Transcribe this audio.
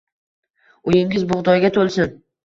Uyingiz bug’doyga to’lsin